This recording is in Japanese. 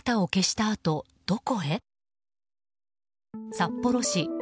札幌市。